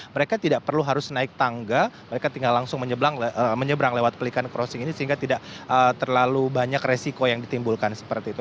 mereka tidak perlu harus naik tangga mereka tinggal langsung menyeberang lewat pelikan crossing ini sehingga tidak terlalu banyak resiko yang ditimbulkan seperti itu